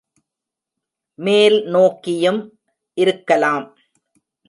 மேல் நோக்கியும் இருக்கலாம்.